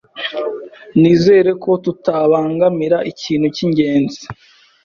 Nizere ko tutabangamira ikintu cyingenzi.